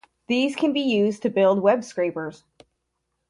These can be used to build web scrapers.